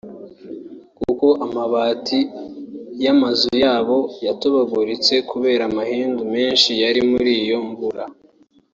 kuko amabati y’amazu yabo yatobaguritse kubera amahindu menshi yari muri iyo mvura